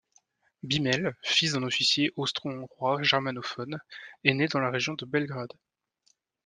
Biemel, fils d’un officier austro-hongrois germanophone, est né dans la région de Belgrade.